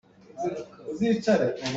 Ngakchia nu te a ra hih.